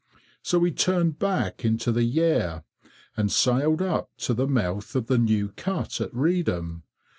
So we turned back into the Yare, and sailed up to the mouth of the new cut at Reedham.